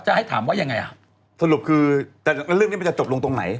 ให้ถามว่ายังไงอ่ะสรุปคือแต่เรื่องนี้มันจะจบลงตรงไหน